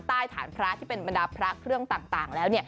ใต้ฐานพระที่เป็นบรรดาพระเครื่องต่างแล้ว